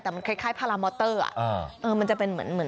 แต่มันคล้ายผ้าลามอตเตอร์อะมันจะเป็นเหมือนเฑิ่มร่มอ่ะ